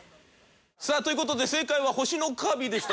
さあという事で正解は『星のカービィ』でした。